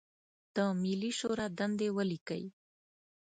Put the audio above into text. د ملي شورا دندې ولیکئ.